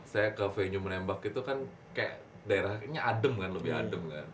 saya ke venue menembak itu kan kayak daerahnya adem kan lebih adem kan